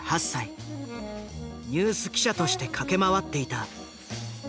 ニュース記者として駆け回っていた。